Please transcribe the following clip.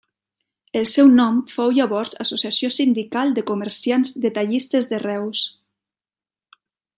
El seu nom fou llavors Associació sindical de comerciants detallistes de Reus.